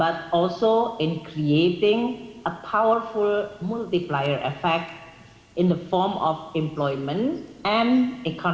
untuk mengembangkan ekonomi kita terhadap pandemi yang sangat susah